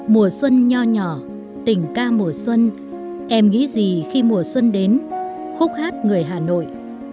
mùa xuân nho nhỏ nhỏ tình ca mùa xuân em nghĩ gì khi mùa xuân đến khúc hát người hà nội